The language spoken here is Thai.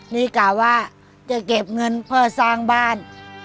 นี่กะว่าจะเก็บเงินเพื่อสร้างบ้าน